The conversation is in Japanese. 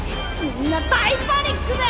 みんな大パニックだ！